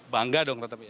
bangga dong tetep ya